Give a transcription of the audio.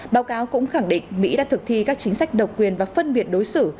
báo cáo cũng khẳng định mỹ đã thực thi các chính sách độc quyền và phân biệt đối xử